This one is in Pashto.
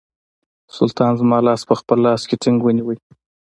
سلطان زما لاس په خپل لاس کې ټینګ ونیوی.